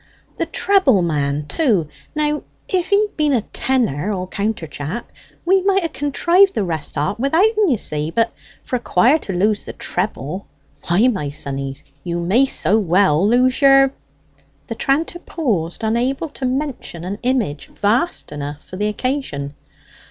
"The treble man too! Now if he'd been a tenor or counter chap, we might ha' contrived the rest o't without en, you see. But for a quire to lose the treble, why, my sonnies, you may so well lose your ..." The tranter paused, unable to mention an image vast enough for the occasion.